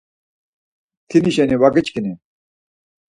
Mtinişen va giçkini?